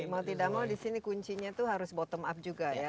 mau tidak mau di sini kuncinya itu harus bottom up juga ya